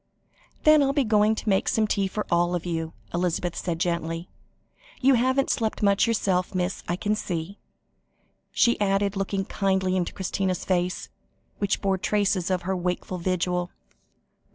"Then I'll be going to make some tea for you all," Elizabeth said gently; "you haven't slept much yourself, miss, I can see," she added, looking kindly into Christina's face, which bore traces of her wakeful vigil.